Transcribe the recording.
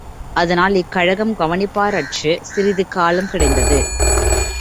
அதனால், இக் கழகம் கவனிப்பாரற்றுச் சிறிது காலம் கிடந்தது.